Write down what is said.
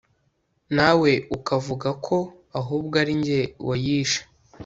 nawe ukavuga ko ahubwo ari njye wayishe